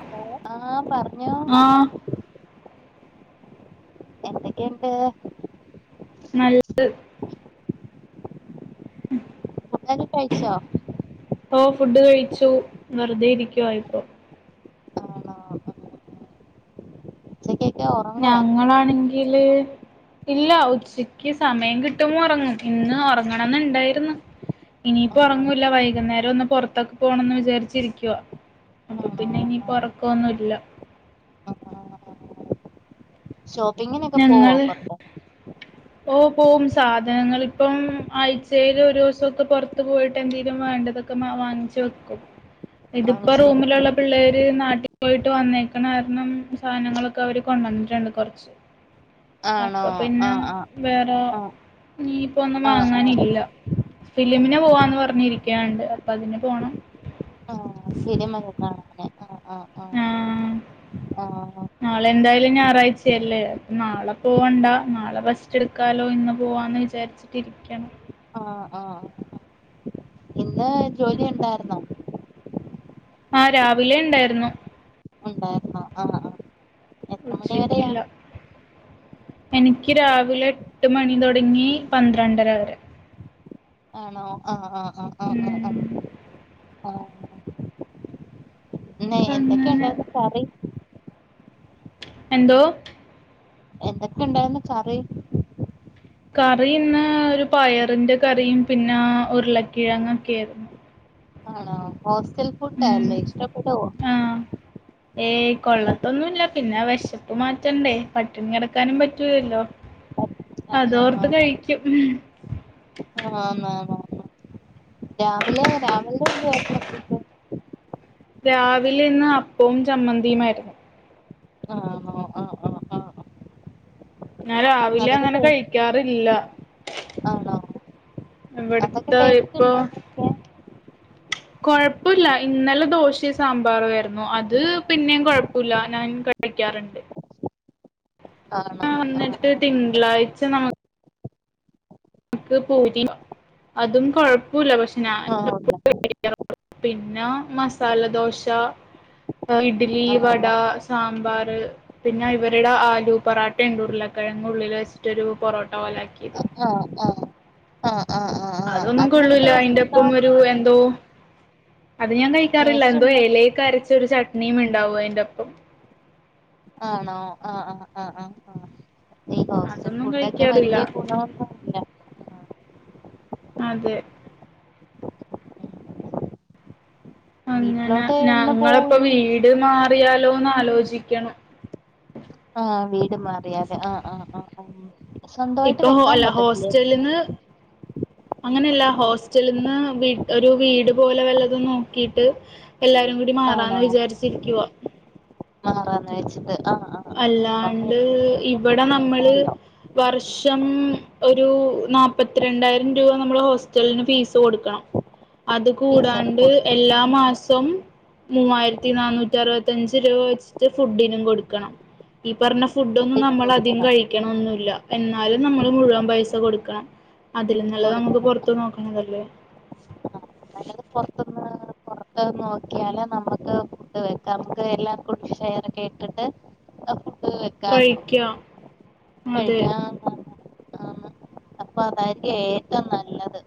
Hello ആഹ് പർഞ്ഞോ ആഹ് എന്തൊക്കെണ്ട് നല്ല [unintelligible] കയ്ച്ചോ ഓഹ് ഫുഡ് കഴിച്ചു വെറുതെ ഇരിക്കുവാർന്നു ആണോ കേക്കാവോ ഞങ്ങളാണെങ്കില് ഇല്ല ഉച്ചയ്ക്ക് സമയം കിട്ടുമ്പോ ഒറങ്ങും ഇന്ന് ഒറങ്ങണംന്ന്ണ്ടായിരുന്നു ഇനിയിപ്പോ ആണോ ഒറങ്ങ്ല്ല വൈകുന്നേരം ഒന്ന് പാർത്തൊക്കെ പോണന്ന് വിചാരിച്ചിരിക്കുവാ അപ്പൊ ആണോ പിന്നെ ആഹ് ഇനിയിപ്പോ ആഹ്. ഒറക്കൊന്നുല്ല ആഹ്. ആഹ്. ഷോപ്പിങ്ങിനൊക്കെ പോവോ പൊർത് ഓഹ് പോവും സാധനങ്ങൾ ഇപ്പം ആഴ്ചേല് ഒരുസൊക്കെ പോർത്ത് പോയിട്ട് എന്തെങ്കലും വേണ്ടതൊ [unintelligible] വാങ്ങിച് വെക്കും ഇതിപ്പോ വാങ്ങിച്ച് റൂമിലുള്ള പിള്ളേര് നാട്ടി പോയിട്ട് വന്നേക്ക്ണാരണം സാനങ്ങളൊക്കെ അവര് കൊണ്ടന്നിട്ട്ണ്ട് കൊറച്ച് ആണോ അപ്പ പിന്നം ആഹ് ആഹ് വേറെ ആഹ് നീപ്പം ഒന്നും ആഹ് ആഹ് ആഹ് വാങ്ങാനില്ല ഫില്ലിമിന് ആഹ് പോവാന്ന് പറഞ്ഞിരിക്ക്യാണ്ട് അപ്പ അതിന് പോണം ഫില്ലിമ് ഒക്കെ കാണാൻ ആഹ് ആഹ് നാളെ എന്തായാലും ഞായറാഴ്ചല്ലേ അപ്പംനാള പോവണ്ടാ നാള റസ്റ്റ് ട്ക്കാലോ ഇന്ന് പോവാന്ന് വിചാരി ച്ചിട്ട് രിക്കാണ് ആഹ് ആഹ് ന്ന് ജോലി ഉണ്ടാര്ന്നോ ആഹ് രാവിലെ ണ്ടാര്ന്നു ഉണ്ടാര്ന്നോ ആഹ് ആഹ് എത്ര മണി വരെയാ ഉച്ചക്കില്ല എനിക്ക് രാവിലെ എട്ട് മണി തോടങ്ങി പന്ത്രണ്ടര വരെ ആണോ ആഹ് ആഹ് ആഹ് ആഹ് ആഹ് ഉം. ആഹ് ആഹ് ഇന്ന് തന്നെ എന്തൊക്കെയുണ്ടായിരുന്നു കറി എന്തോ ക്ക ണ്ടാര്ന്നു കറി കറി ഇന്ന് ഒരു പയറിന്റെ കറിയും പിന്നെ ഉരുളക്കിഴങ്ങെക്കേര്ന്നു ആഹ് ഹോസ്റ്റൽ ഉം ഫുഡാല്ലേ ഇഷ്ട്ടപ്പെടോ ഏഹ് കൊള്ളത്തൊന്നുല്ല പിന്നെ വെശപ്പ് മാറ്റണ്ടേ പട്ടിണി കെടക്കാനും പറ്റൂലല്ലോ ആ അതോർത്ത് കഴിക്കും ആഹ് [unintelligible] രാവിലെ രാവിലെ എ [unintelligible] രാവിലെ ഇന്ന് അപ്പവും ചമ്മന്തിയുമാര്ന്ന് ആഹ് ന്നോ ആഹ് ആഹ് ആഹ് ഞാൻ രാവിലെ അതൊക്കെ അങ്ങനെ കഴി ടേസ്റ്റ് ക്കാറില്ല ആണോ അതൊക്കെ ഇവ്ട്ത്ത ടേസ്റ്റ് ഇപ്പൊ ഉണ്ടോ കഴിക്കാൻ കൊഴപ്പുല്ല ഇന്നലെ ദോശിം സാമ്പാറുആരുന്നു അത് പിന്നിം കൊഴപ്പുല്ല ഞാൻ ക ഴിക്കാറ്ണ്ട് ആണ് ന്ന്ട്ട് തിങ്കളാഴ്ച്ച നമു നമുക്ക് പൂരി അതും കൊഴപ്പൂല്ല പക്ഷെ ഞാൻ ആ ആ ഉണ്ട് [inaudible] പിന്നാ മസാല ദോശ ഇഡ്ലി ആ വടാ സാമ്പാർ പിന്നെ ഇവര്ടെ ആലു പൊറാട്ട ഇണ്ട് ഉരുളകിഴങ്ങുള്ളില് വെച്ചിട്ടൊരു പൊറോട്ട പോല ആക്കി ആഹ് ആഹ് ആഹ് ആഹ് ആഹ് അതൊന്നും കൊള്ളൂല അതിന്റെ ഒപ്പം ഒരു എന്തോ അത് ഞാൻ കഴിക്കാറില്ല ടേസ്റ്റ് എന്തോ ഉണ്ടോ എലേ കരച്ചൊരു ചട്ണിയും ഇണ്ടാവും അതിന്റെ ഒപ്പം ആണോ ആഹ് ആഹ് ആഹ് ആഹ് ആഹ് ഈ ഹോസ്റ്റൽ അതൊന്നും ഫുഡൊക്കെ കഴിക്കാറില്ല വല്ല്യ ഗുണൊന്നും അതെ ഉം. അങ്ങനെ വീട്ടിലോട്ട് എന്ന് പോവും ഞങ്ങള്പ്പൊ ഇനി വീട് മാറിയാലോന്ന് ആലോചിക്കാണ് ആഹ് വീട് മാറിയാല് ആഹ് ആഹ് ആഹ് ആഹ് സ്വന്തമായിട്ട് ഇപ്പൊ വെക്കാൻ അല്ല പറ്റത്തില്ലേ ഹോസ്റ്റലിന്ന് അങ്ങനെയല്ല ഹോസ്റ്റലിന്ന് വീ ഒരു വീട് പോലെ വല്ലതും നോക്കീട്ട് എല്ലാരും കൂ ആണോ മാറാന്ന് വെച്ചിട്ട് ആഹ് ആഹ് ആഹ് അല്ലാണ്ട് ഇവിടെ അപ്പൊ നമ്മള് വെക്കാല്ലോ വർഷം ഒരു നാപത്തിരണ്ടായിരം രൂപ നമ്മൾ ഹോസ്റ്റലിന് ഫീസ് കൊടുക്കണം അത് ഫീസൊക്കെ കൂടാണ്ട് കൊടുക്കണം എല്ലാ മാസോം മൂവായിരത്തി നാനൂറ്റി അറുപത്തി അഞ്ച് രൂപ വെച്ചിട്ട് ഫുഡിനും കൊടുക്കണം ഈ പറഞ്ഞ ഫുഡൊന്നും ഫുഡിനും നമ്മൾ കൊടുക്കണം കഴിക്കണോന്നുല്ല എന്നാലും നമ്മൾ മുഴുവൻ പൈസ കൊടുക്കണം അതിലും നല്ലത് നമുക്ക് കൊടുക്കണം പൊർ നോക്കണതല്ലേ നല്ലത് പോർതിന്ന് പൊറുത്തു നോക്കിയാല് നമുക്ക് ഫുഡ്‌ വെക്ക നമുക്ക് എല്ലാരും കൂടി ഷെയറൊക്കെ ഇട്ടിട്ട് ഫുഡ്‌ വെക്കാന്നോ കഴിക്കാം അതെ കഴിക്കാ അപ്പൊ അതായിരിക്കും ഏറ്റവും നല്ലത്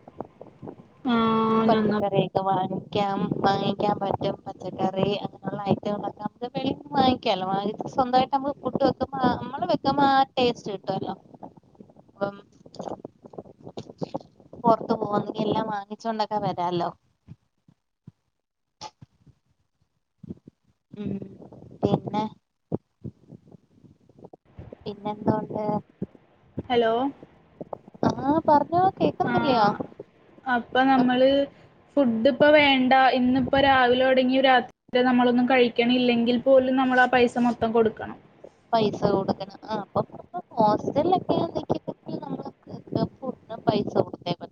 ആഹ് ഞങ്ങ പച്ചക്കറി വാങ്ങിക്കാം വാങ്ങിക്കൻ പറ്റും പച്ചക്കറി അങ്ങനെയുള്ള ഐറ്റങ്ങളൊക്കെ അത് വെളിയിൽ നിന്ന് വാിക്കാല്ലോ വാങ്ങിച്ച് സ്വന്തമായിട്ട് നമ്മൾ പഫുഡ്‌ വെക്കുമ്പോ നമ്മൾ വെക്കുമ്പോ ആ ടേസ്റ്റ് കിട്ടുവല്ലോ [unintelligible] പുറത്ത് പോകുന്നെങ്കിൽ എല്ലാം വാങ്ങിച്ചൊണ്ടൊക്കെ വരാല്ലോ ഉം പിന്നെ പിന്നെന്തോണ്ട് ഹലോ ആഹ് പറഞ്ഞോ കേക്ക കുന്നില്ല്യ ആഹ് അപ്പൊ നമ്മള് ഫുഡിപ്പോ വേണ്ട ഇന്നിപ്പോ രാവിലെ ഒടങ്ങി രാത്രി നമ്മളൊന്നും കഴിക്കിണില്ലെങ്കിൽ പോലും നമ്മൾ ആ പൈസ മൊത്തം കൊടുക്കണം പൈസ കൊടുക്കണം ആ അപ്പൊ ഹോസ്റ്റലൊക്കെയ നി പൈസ കൊടുത്തേ പറ്റു